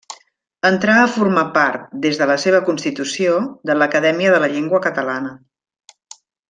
Entrà a formar part, des de la seva constitució, de l'Acadèmia de la Llengua Catalana.